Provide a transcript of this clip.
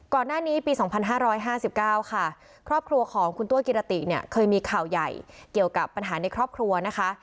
ก่อนหน้านี้ปี๒๕๕๙ค่ะครอบครัวของคุณตัวกิรติเนี่ยเคยมีข่าวใหญ่เกี่ยวกับปัญหาในครอบครัวนะคะ